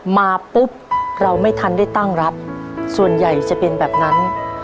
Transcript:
มาปุ๊บเราไม่ทันได้ตั้งรับส่วนใหญ่จะเป็นแบบนั้น